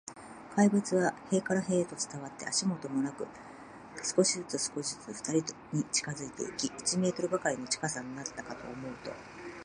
怪物は塀から塀へと伝わって、足音もなく、少しずつ、少しずつ、ふたりに近づいていき、一メートルばかりの近さになったかと思うと、